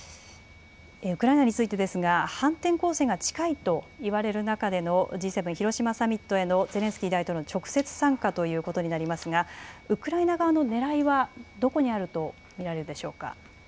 ウクライナについてですが反転攻勢が近いと言われる中でのＧ７広島サミットへのゼレンスキー大統領の直接参加ということになりますがウクライナ側のねらいはどこにあると見られるでしょうか。